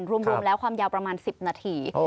รุ่นแล้วความยาวประมาณสิบนาที